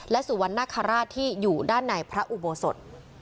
และสุวรรณคราชที่อยู่ด้านในพระอุโบสถ